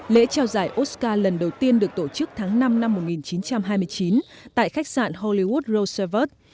lễ trao giải oscar lần đầu tiên được tổ chức tháng năm năm một nghìn chín trăm hai mươi chín tại khách sạn hollywood rosevert